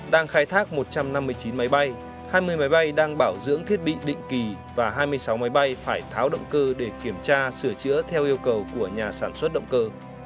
đang khai thác một trăm năm mươi chín máy bay hai mươi máy bay đang bảo dưỡng thiết bị định kỳ và hai mươi sáu máy bay phải tháo động cơ để kiểm tra sửa chữa theo yêu cầu của nhà sản xuất động cơ